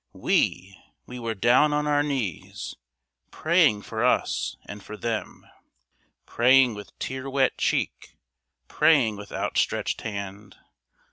We, we were down on our knees, Praying for us and for them, Praying with tear wet cheek, Praying with outstretched hand.